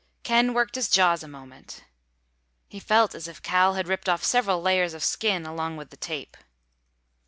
Ken worked his jaws a moment. He felt as if Cal had ripped off several layers of skin along with the tape.